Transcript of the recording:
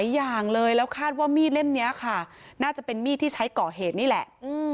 อย่างเลยแล้วคาดว่ามีดเล่มนี้ค่ะน่าจะเป็นมีดที่ใช้ก่อเหตุนี่แหละ